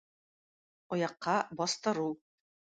Аякка бастыру.